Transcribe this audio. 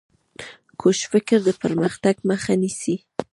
کوږ فکر د پرمختګ مخ نیسي